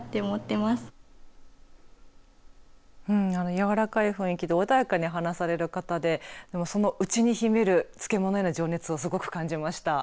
柔らかい雰囲気で穏やかに話される方でその内に秘める漬物への情熱をすごく感じました。